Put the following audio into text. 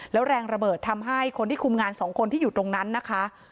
แล้วแรงระเบิดทำให้คนที่คุมงานสองคนที่อยู่ตรงนั้นนะคะ